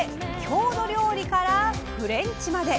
郷土料理からフレンチまで！